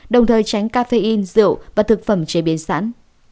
đồng thời tránh caffeine rượu và thực phẩm chế biến sẵn